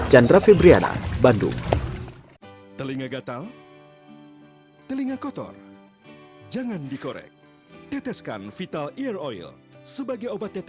jandra febriana bandung